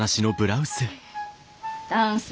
ダンス